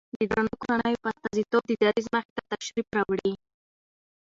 د درنو کورنيو په استازيتوب د دريځ مخې ته تشریف راوړي